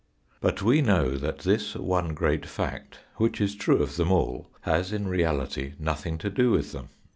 But we know that this one great fact which is true of them all has in reality nothing to do with them.